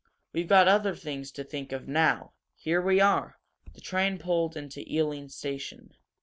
We've got other things to think of now. Here we are!" The train pulled into Ealing station.